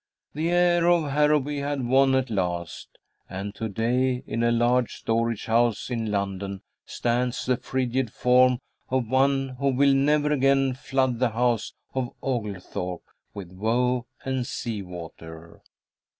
The heir of Harrowby had won at last, and to day in a large storage house in London stands the frigid form of one who will never again flood the house of Oglethorpe with woe and sea water.